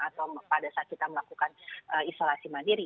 atau pada saat kita melakukan isolasi mandiri